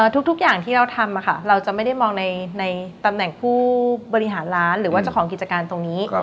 ทุกอย่างที่เราทำเราจะไม่ได้มองในตำแหน่งผู้บริหารร้านหรือว่าเจ้าของกิจการตรงนี้